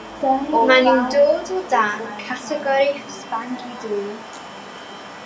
Maen nhw'n dod o dan categori'r sbangi dŵr.